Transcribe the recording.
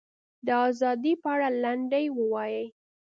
د ازادۍ په اړه لنډۍ ووایي.